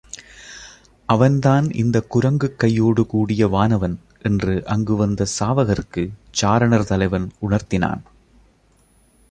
அவன்தான் இந்தக் குரங்குக் கையோடு கூடிய வானவன் என்று அங்கு வந்த சாவகர்க்குச் சாரணர் தலைவன் உணர்த்தினான்.